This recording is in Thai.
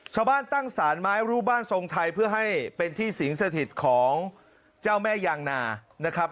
ชาวบ้านตั้งสารไม้รูปบ้านทรงไทยเพื่อให้เป็นที่สิงสถิตของเจ้าแม่ยางนานะครับ